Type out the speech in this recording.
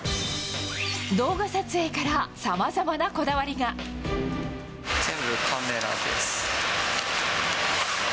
動画撮影からさまざまなこだ全部カメラです。